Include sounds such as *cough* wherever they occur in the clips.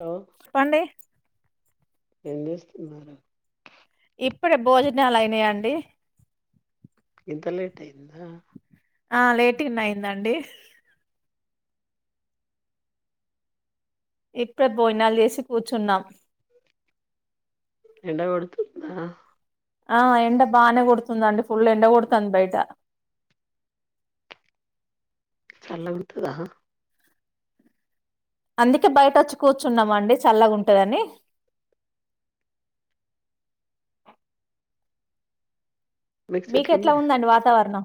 Hello పండే ఏం చేస్తున్నారు ఇప్పుడే భోజనాలు అయినయండి ఇంత లేట్ అయిందా ఆ లేటుగానే అయిందండి ఇప్పుడే బోజనాలు చేసి కూర్చున్నాం ఎండ కొడుతుందా ఆ ఎండ బానే కొడుతుంది అండి ఫుల్ ఎండ కొడుతుంది బయటా చల్లగుంటద అందుకే బయట వచ్చి కూర్చున్నాం అండి చల్లగుంటదని మీకు మీకెట్లా చెట్లున్నాయా ఉందండి వాతవరణం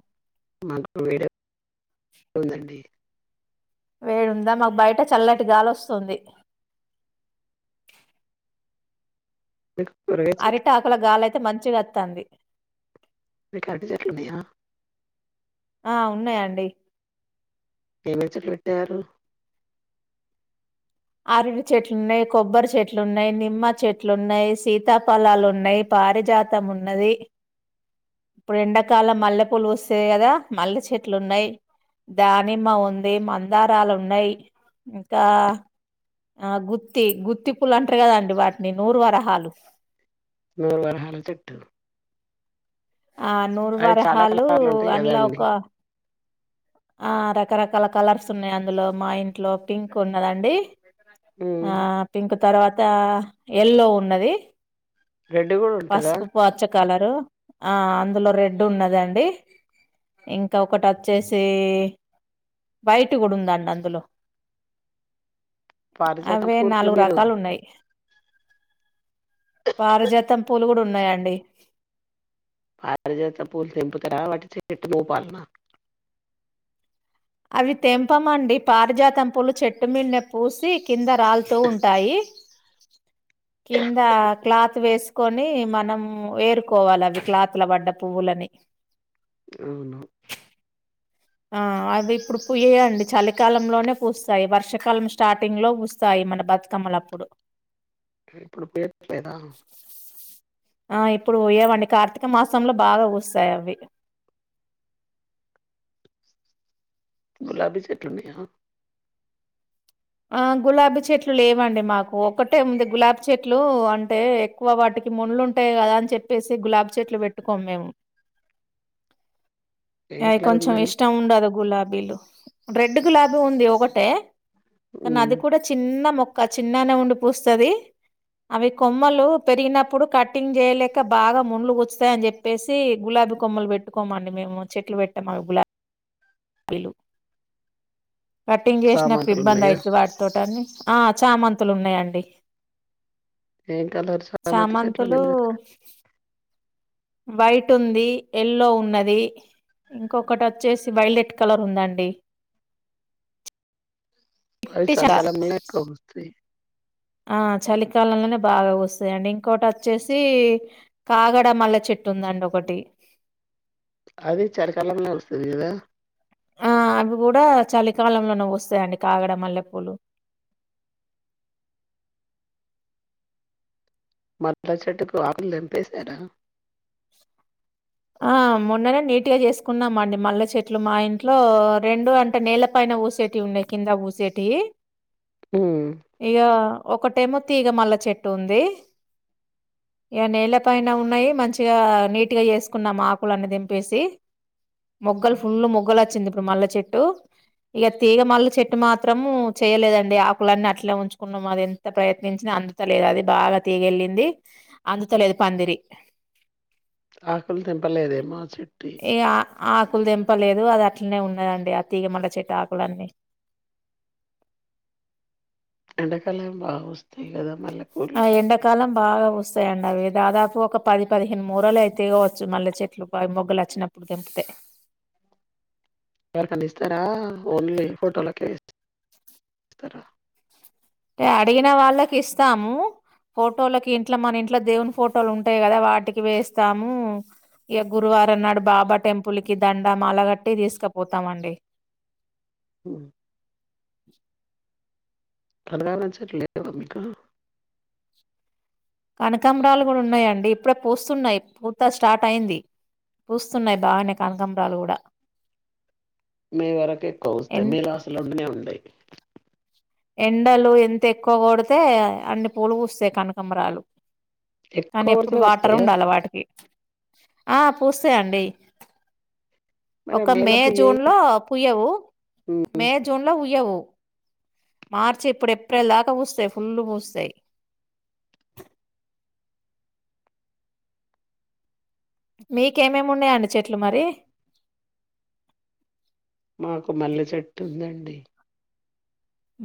బావుందండి వేడుంద మాకు బయట చల్లటి గాలి వస్తుంది. బ అరిటాకులగాలయి మంచిగా వత్తాంది మీకు అరటి చెట్లున్నాయా ఆ ఉన్నాయి అండి ఎన్ని చెట్లు పెట్టారు. అరుటి చెట్లున్నాయి, కొబ్బరి చెట్లున్నాయి, నిమ్మ చెట్లున్నాయి, సీతాఫలాలున్నాయి పారిజాతం ఉన్నది. ఇప్పుడు ఎండకాలం మల్లె పూలు వస్తేయి కదా మల్లె చెట్లు ఉన్నాయి, దానిమ్మ ఉంది. మందారాలు ఉన్నాయి, ఇంకా ఆ గుత్తి గుత్తి పూలు అంటారు కదాండి వాటిని నూరు వరహాలు నూరు వర హాల తట్టు ఆ నూరు వరహాలు కలర్లు ఉంటాయి కదా అందులో అండి ఒక ఆ రకరకాల కలర్స్ ఉన్నాయి అందులో మా ఇంట్లో పింక్ ఉన్నదండి ఆ పింక్ తర్వాత ఎల్లో ఉన్నది. రెడ్ కూడా ఉంటదా పసుపు పచ్చ కలరు ఆ అందులో రెడ్ ఉన్నదండి ఇంకొకటి అచ్చేసి వైట్ కూడా ఉందండి అందులో పారిజాతం అవే పూలు నాలుగు మీరు రకాలున్నాయి పారిజాతం కూడున్నాయండి పారిజత పూలు తెంపుతారా వాటి చెట్టు మూపాలన అవి తెంపమండి పారిజాతంపూలు చెట్టు మీదె పూసి కింద రాలుతు ఉంటాయి కింద క్లాత్ వేసుకొని మనం వేరుకోవాలి అవి క్లాత్ల పడ్డ పువ్వులన్ని అవును ఆ అవి ఇప్పుడు పూయలే అండి చలికాలంలోనే పూస్తాయి వర్షాకాలం స్టార్టింగ్ లో పూస్తాయి మన బతుకమ్మలప్పుడు ఇప్పుడు పీక్ లేదా ఆ ఇప్పుడు పూయవండి కార్తీక మాసంలో బాగా పూస్తాయవి గులాబీ చెట్లు ఉన్నాయా ఆ గులాబీ చెట్లు లేవండి మాకు ఒకటే ఉంది. గులాబీ చెట్లు అంటే ఎక్కువ వాటికి ముళ్లు ఉంటాయి కదా. అని చెప్పేసి గులాబీ చెట్లు పెట్టుకోము మేము. ఏం ఏయ్ కలర్ కొంచెం ఉందండి ఇష్టం ఉండదు గులాబ గులాబీలు రెడ్ గులాబీ ఉంది ఒకటే కానీ ఉమ్, అది కూడ చిన్న మొ ఒక చిన్ననే ఉండి పూస్తుంది అవి కొమ్మలు పెరిగినప్పుడు కట్టింగ్ చేయలేక బాగా ముండ్లు కూచ్చుతాయి. అని చెప్పేసి గులాబీ కొమ్మలు పెట్టుకోమండి మేము. చెట్లు పెట్టాము అవి గులాబీలు కటింగ్ చేసినప్పుడు చామంతులు ఉన్నాయా ఇబ్బందాయి వాటితో ఆ చామంతులు ఉన్నాయండి. ఏం కలర్ చామంతి చెట్లు వున్నాయి చామంతులు మీ దగ్గర వైట్ ఉంది, ఎల్లో ఉన్నది ఇంకొకటి వచ్చేసి వైలెట్ కలర్ ఉందండి. ప చిట్టి చా చాలికాలంలోనే ఎక్కువ పూస్తాయ్ ఆ చలికాలంలోనే బాగా వస్తాయండి. ఇంకోటి వచ్చేసి కాగడ మల్లె చెట్టు ఉందండి ఒకటి. అది చలికాలం లో వస్తుంది కదా ఆ అవి కూడా చలికాలంలోనే వస్తాయండి కాగడ మల్లెపూలు మర్ల చెట్టుకు ఆకులు తెంపేశ్ నరా ఆ మొన్ననే నీట్ గా చేసుకున్నా బాండు మల్ల చెట్లు మా ఇంట్లో రెండు అంటే నేల పైన పూసేటి ఉండే కింద పూసేటివి ఉమ్ అయ్యో ఒకటేమో తీగ మల్ల చెట్టు ఉంది ఇగ నేల పైన ఉన్నాయి మంచిగా నీటి గ చేసు కున్నాం ఆకులన్నీ తెంపేసి మొగ్గలు ఫుల్ మొగ్గలు వచ్చింది ఇప్పుడు మల్లె చెట్టు ఇగ తీగ మల్లె చెట్టు మాత్రము చేయలేదండి ఆకులన్నీ అట్లే ఉంచుకున్నాము అది ఎంత ప్రయత్నించినా అందుతలేదు అది బాగా తీగెళ్ళింది అందుతలేదు పందిరి ఆకులు తింటలే దేమొ ఏ ఆ ఆకులదేం పలేదు అది అట్లనే ఉన్నదండి ఆ తీగ మల్లె చెట్టు ఆకులన్నీ ఎండ కాల బా వస్తాయి కదా మల్లెపూలు ఆ ఎండకాలం బాగా వస్తాయండి అవి దాదాపు ఒక పది పదిహేను మూరలు అయితే కావచ్చు. మళ్ళీ చెట్లు మొగ్గులు వచ్చినప్పుడు తెలీతాయి ని ఇస్తారా ఓన్లీ ఫోటోలకే ఇస్తారా అంటే అడిగిన వాళ్ళకి ఇస్తాము. ఫోటోలకి ఇంట్లో మన ఇంట్లో దేవుని ఫోటోలు ఉంటాయి కదా వాటికి వేస్తాము. ఇక గురువారం నాడు బాబా టెంపుల్ కి దండ మాల కట్టి తీసుకపోతాం అండి. హుమ్ *inaudible* తర *unintelligible* చెట్ లేద మీకు కనకాంబరాలు కూడున్నాయండి ఇప్పుడే పూస్తున్నాయి పూత స్టార్ట్ అయింది పూస్తున్నాయ్ బానే కనకాంబరాలు కూడా మీ వరకు ఎక్కువ వస్తే ఎం మీరు అసలుండినే ఉంటాయి ఎండలు ఎంత ఎక్కువ కొడితే అన్ని పూలు పూస్తయ్ కనకాంమరాలు కానీ ఎక్కువ ఎప్పుడు పడితేనే వాటర్ వస్తాయా ఉండాల వాటికి ఆ పూస్. సె అండి మరి ఒక మేల మే పుయ్యయి జూన్ లో పుయ్యవు ఉమ్, మే జూన్ లో ఉయ్యవు మార్చి ఇప్పుడు ఏప్రిల్ దాక పుస్తయ్ ఫుల్ పుస్తయ్ మీకేమేమి ఉన్నాయండి చెట్లు మరి మాకు మల్లె చెట్టు ఉందండి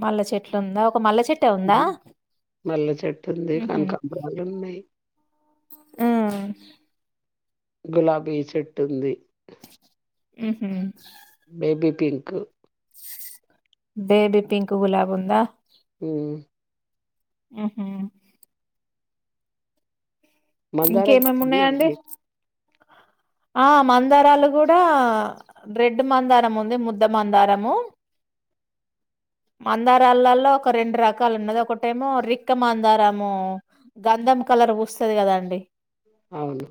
మళ్ళ చెట్లుందా ఉమ్ మల్లె చెట్టుంది కానకాంబరాలున్నాయ్ మ్ గులాబీ చెట్టుంది. ఉహ్ బేబీ పింక్ బేబీ పింక్ గులాబ్ ఉందా హ్ ఉహ్ మందారా ఇంకేమేమి ఉన్నాయండి ఆ మందారాలు గూడా రెడ్ మందారం ఉంది ముద్ద మందారము. మందారాలలో ఒక రెండు రకాలు ఉన్నది. ఒకటేమో రిక్క మందారము గంధం కలర్ పూస్తది కాదండీ. అవును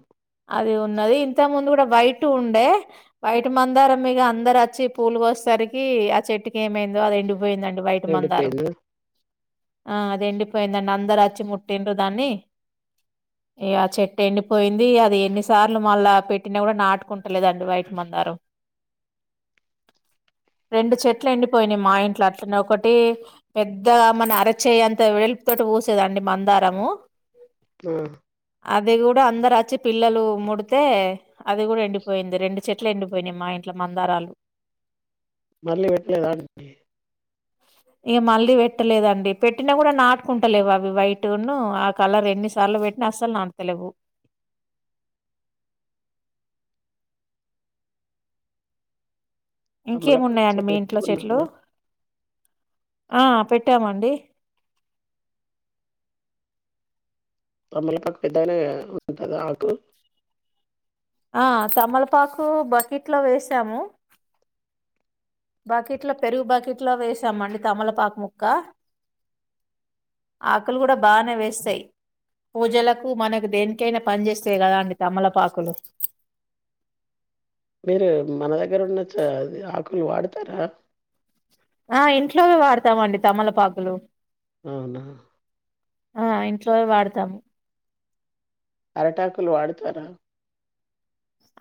అది ఉన్నది. ఇంత ముందు గుడా వైటు ఉండే వైట్ మందారం ఇగ అందరచ్చి పూలు కోసేసరికి ఆ చెట్టుకి ఏమైందో అది ఎండి పోయిందండి వైట్ మందారం ఎండిపోయిందా ఆ అది ఎండిపోయిందండి అందరచ్చి ముట్టిండ్రు దాన్ని ఇగ ఆ చెట్టు ఎండిపోయింది అది ఎన్నిసార్లు మళ్ళా పెట్టినా గుడా నాటుకుంటలేదండి వైట్ మందారం. రెండు చెట్లు ఎండిపోయినయి. మా ఇంట్లో అట్లనే ఒకటి పెద్ద మన అరచేయంత వెలుపుతోటి పూసేదండి మందారము. ఆ అది గూడా అందరచ్చి పిల్లలు ముడ్తే అది కూడా ఎండిపోయింది రెండు చెట్లు ఎండిపోయినాయి మా ఇంట్లో మందారాలు మళ్ళీ పెట్టలేదా అండి ఇగ మళ్ళీ పెట్టలేదండి పెట్టినా గుడా నాటుకుంటలేవు అవి వైట్ను ఆ కలర్ ఎన్ని సార్లు పెట్టినా అస్సలు నాటుతలేవు. తమలపాకు ఇంకేమున్నాయండి చెట్టు మీ ఇంట్లో చెట్లు పెట్టుకున్నారా ఆ పెట్టామండి. తమలపాకు పెద్దగనే కదా ఉంటది ఆకు ఆ తమలపాకు బకెట్లో వేసాము. బకెట్లో పెరుగు బకిట్లో వేసామండి తమలపాకు ముక్క ఆకులు గుడా బానేవేస్తై పూజలకు మనకు దేనికైనా పని చేస్తాయి కదా అండి తమలపాకులు. మీరు మన దగ్గర ఉన్న చ ఆకులు వాడతారా ఆ ఇంట్లో వాడతామండి తమలపాకులు అవునా ఆ ఇంట్లోనే వాడతాము అరిటాకులు వాడతారా?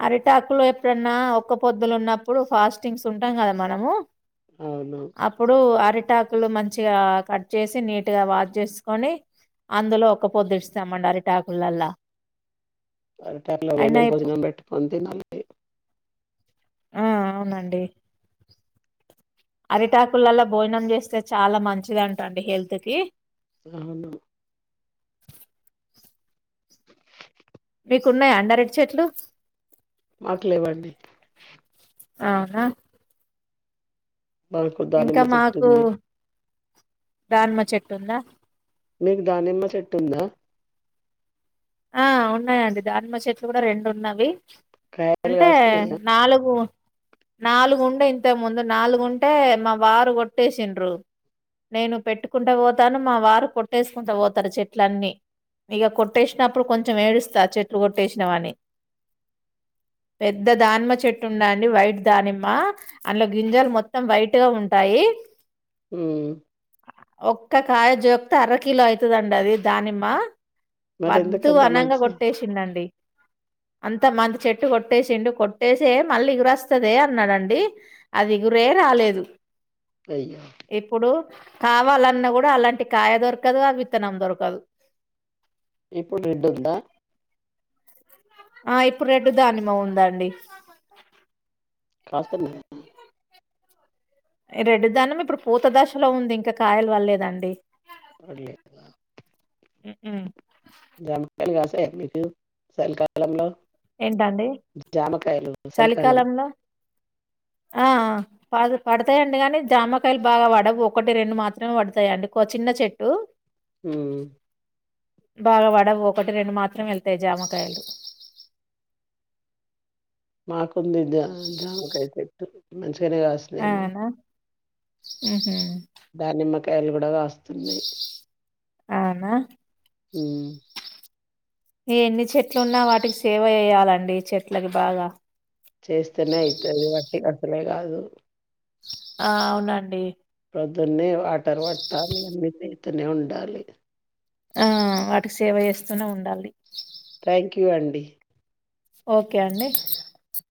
అరిటాకులు ఎప్పుడన్నా ఒక్క పొద్దులు ఉన్నప్పుడు ఫాస్టింగ్స్ ఉంటాం కదా మనము. అవును అప్పుడు అరట్ టాకులు మంచిగా కట్ చేసి నీట్గా వాష్ చేసుకొని అందులో ఒకపొద్దు ఇడుస్తామండి అరిటాకులల్ల *unintelligible* ఉంది *inaudible* ఆ అవునండి. అరిటాకులల్ల భోజనం చేస్తే చాలా మంచిది అంటండి హెల్త్కి అవునా మీకున్నయా అండి అరట్ చెట్లు ఆకలివండి ఆనా నాకు దనిమ్మ తట్టుంది దాన్మ చెట్టున్న మీకు దానిమ్మ చెట్టుందా ఆ ఉన్నాయండి దానిమ చెట్లు కూడా రెండు ఉన్నవి కాయలు అంటే కాస్తున్నాయా నాలుగు నాలుగు ఉం ఇంత ముందు నాలుగుంటే మా వారు కొట్టేసిండ్రు నేను పెట్టుకుంట పోతాను మా వారు కొట్టేసుకుంట పోతారు చెట్ల అన్న ఇక కొట్టే ినప్పుడు కొంచెం ఏడుస్తా చెట్లు కొట్టేసినవని పెద్ద దానిమ్మ చెట్టు ఉండండి వైట్ దానిమ్మ అందులో గింజాలు మొత్తం వైట్గా ఉంటాయి హ ఒక్క కాయ జోక్త అర కిలో అవుతుదండి అది దానిమ్మ మరి వద్దు ఎందుకంత అనంగా మంచి కొట్టేసిందండి అంత మంత చెట్టు కొట్టేసిండు కొట్టేసే మళ్ళీ ఎగుర వస్తదే అన్నాడంండి అదిగురే రాలేదు అయ్యో ఎప్పుడు కావాలన్నా కూడా అలాంటి కాయ దొరకదు అ విత్తనం దొరకదు ఇప్పుడు రెడ్డు ఉందా ఆ ఇప్పుడు రెడ్డు దానిమ ఉందాండి కాస్త త రెడ్డుదానం ఇప్పుడు పూత దశలో ఉంది ఇంకా కాయలు వల్లేదండి పర్లేదు హుహు. సలికి *inaudible* సలి కాలంలో ఏంటండి చలికాలం చలికాలంలో ఆ పడతాయంండి కాగానీ జామకాయలు బాగా పడవు ఒకటి రెండు మాత్రమే పడతాయంండి చిన్న చెట్టు హ బాగావాడ ఒకటి రెండు మాత్రం వెళ్తాయి జామకాయలు మాకు కొంద జామ కైతే మ తనేగాసలే మాకు ఆహ దాని మ ఎల్లగడ వస్త అవునా అ ఎన్ని చెట్లు ఉన్నా వాటికి సేవ చేయ్యాలండి చెట్లకి బాగా చేస్తస్తనే అయితు అదిటి అసలే కాదు ఆ అవునండి ప్రధన్య వాఠారు వాట్ తనే ఉండాలి ఆ వాటికి సేవ చేస్తూనే ఉండాలి థ్యాంక్ యూ అండి ఓకే అండి